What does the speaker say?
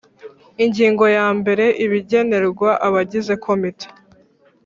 Ingingo ya mbere Ibigenerwa abagize Komite